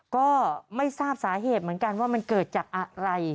ก็ไม่ทราบสาเหตุเหมือนกันว่ามันเกิดจากอะไร